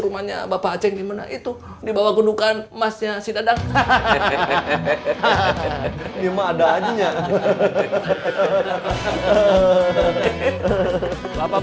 rumahnya bapak yang dimana itu dibawa gundukan masnya si dadang hahaha ini emang adanya hahaha